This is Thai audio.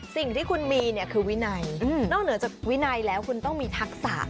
สิ่งที่คุณมีเนี่ยคือวินัยนอกเหนือจากวินัยแล้วคุณต้องมีทักษะ